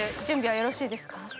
準備はよろしいですか？